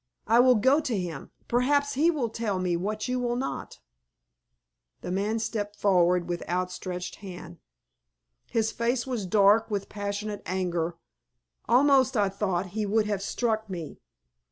I will go to him. Perhaps he will tell me what you will not." The man stepped forward with outstretched hand. His face was dark with passionate anger, almost I thought he would have struck me.